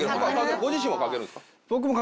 ご自身はかけるんですか？